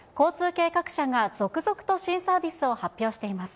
けいかくしゃが続々と新サービスを発表しています。